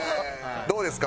どうですか？